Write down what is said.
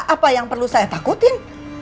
apa yang perlu saya takutin